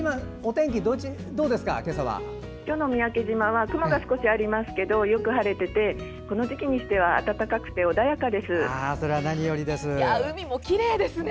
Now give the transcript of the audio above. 今日の三宅島は雲が少しありますけどよく晴れていてこの時期にしては暖かくて海もきれいですね。